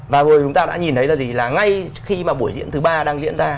và rồi chúng ta đã nhìn thấy là ngay khi mà buổi diễn thứ ba đang diễn ra